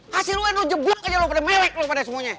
hasil un lo jeblok aja lo pada mewek lo pada semuanya